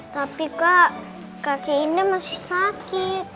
tapi kak kakek ini masih sakit